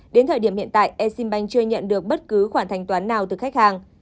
đến thời điểm hiện tại exim bank chưa nhận được bất cứ khoản thanh toán nào từ khách hàng